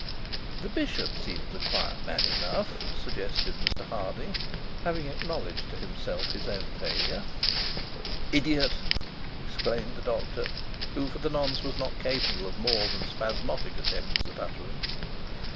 'The bishop seems a quiet man enough,' suggested Mr Harding, having acknowledged to himself his own failure. 'Idiot!' exclaimed the doctor, who for the nonce was not capable of more than spasmodic attempts at utterance.